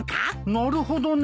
なるほどね。